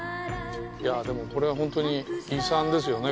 いやでもこれはホントに遺産ですよね。